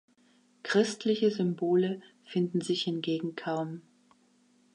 Christliche Symbole finden sich hingegen kaum.